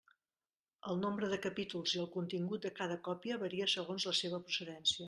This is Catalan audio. El nombre de capítols i el contingut de cada còpia varia segons la seva procedència.